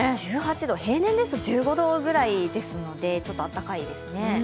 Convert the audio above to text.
１８度、平年ですと１５度ぐらいですので、ちょっと暖かいですね。